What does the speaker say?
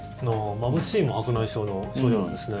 まぶしいも白内障の症状なんですね？